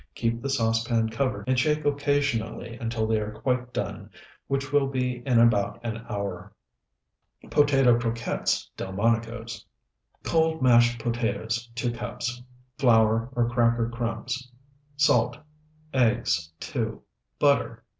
Keep the saucepan covered and shake occasionally until they are quite done, which will be in about an hour. POTATO CROQUETTES (DELMONICO'S) Cold, mashed potatoes, 2 cups. Flour or cracker crumbs. Salt. Eggs, 2. Butter.